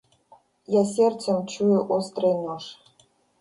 Я сердцем чую острый нож.